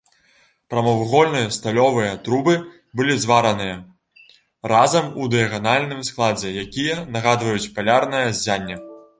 Прамавугольныя сталёвыя трубы былі звараныя разам у дыяганальным складзе, якія нагадваюць палярнае ззянне.